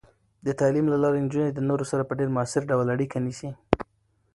د تعلیم له لارې، نجونې د نورو سره په ډیر مؤثر ډول اړیکه نیسي.